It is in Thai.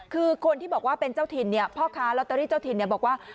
คือคนที่บอกว่าเป็นเจ้าถิ่นพ่อค้าลอตเตอรี่เจ้าถิ่นบอกว่า